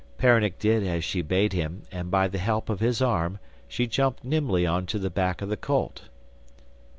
Peronnik did as she bade him, and by the help of his arm she jumped nimbly on to the back of the colt.